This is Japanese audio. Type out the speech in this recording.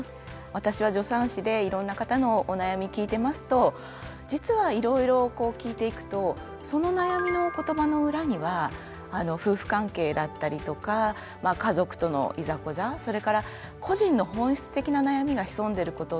私は助産師でいろんな方のお悩み聞いてますと実はいろいろこう聞いていくとその悩みの言葉の裏には夫婦関係だったりとか家族とのいざこざそれから個人の本質的な悩みが潜んでることって結構あるんですよね。